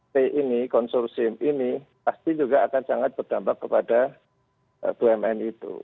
t ini konsorsium ini pasti juga akan sangat berdampak kepada bumn itu